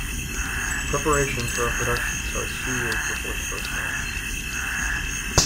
Preparation for a production starts two years before the first night.